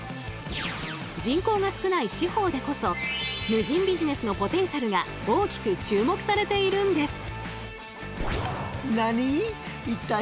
人口が少ない地方でこそ無人ビジネスのポテンシャルが大きく注目されているんです。